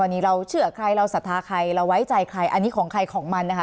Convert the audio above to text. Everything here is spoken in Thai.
อันนี้เราเชื่อใครเราศรัทธาใครเราไว้ใจใครอันนี้ของใครของมันนะคะ